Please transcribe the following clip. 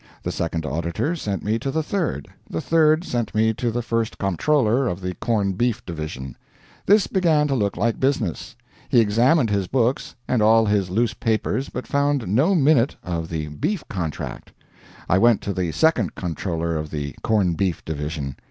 The Second Auditor sent me to the Third, and the Third sent me to the First Comptroller of the Corn Beef Division. This began to look like business. He examined his books and all his loose papers, but found no minute of the beef contract. I went to the Second Comptroller of the Corn Beef Division.